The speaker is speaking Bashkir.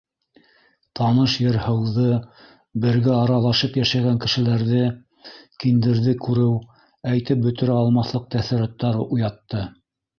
Таныш ер- һыуҙы, бергә аралашып йәшәгән кешеләрҙе киндерҙә күреү әйтеп бөтөрә алмаҫлыҡ тәьҫораттар уятты.